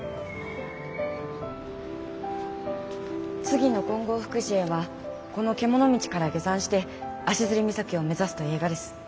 次の金剛福寺へはこの獣道から下山して足岬を目指すとえいがです。